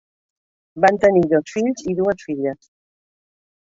Van tenir dos fills i dues filles.